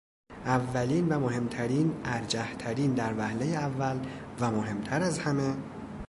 اولین و مهمترین، ارجح ترین، در وهله اول و مهمتر از همه